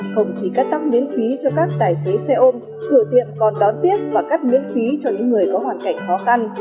không chỉ cắt tóc miễn phí cho các tài xế xe ôm cửa tiệm còn đón tiếp và cắt miễn phí cho những người có hoàn cảnh khó khăn